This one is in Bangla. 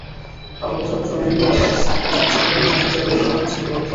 আবার কোথাও কোথাও ব্যাংকের শাখার চাকচিক্যপূর্ণ সাজসজ্জায় ব্যয়ও করা হচ্ছে বিপুল অর্থ।